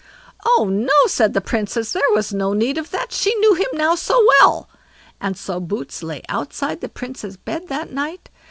"Oh, no!" said the Princess, "there was no need of that, she knew him now so well"; and so Boots lay outside the Princess' bed that night.